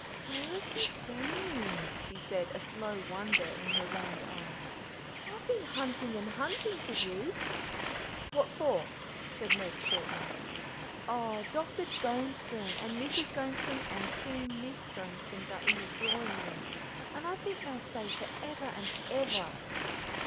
"Where have you been?" she said, a slow wonder in her round eyes. "I've been hunting and hunting for you." "What for?" said Meg shortly. "Oh, Dr. Gormeston and Mrs. Gormeston and two Miss Gormestons are in the drawing room, and I think they'll stay for ever and ever."